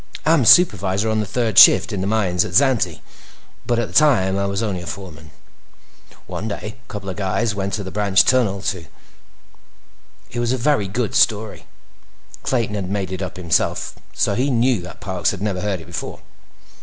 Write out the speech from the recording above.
"I'm supervisor on the third shift in the mines at Xanthe, but at the time, I was only a foreman. One day, a couple of guys went to a branch tunnel to—" It was a very good story. Clayton had made it up himself, so he knew that Parks had never heard it before.